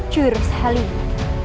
curus hal ini